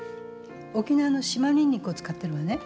沖縄の島ニンニクを使ってるのね。